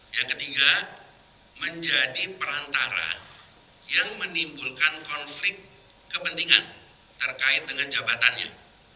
yang ketiga menjadi perantara yang menimbulkan konflik kepentingan terkait dengan jabatannya